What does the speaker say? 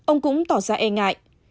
ông cũng tỏ ra e ngại